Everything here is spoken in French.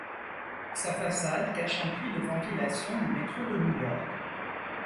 Sa façade cache un puits de ventilation du métro de New York.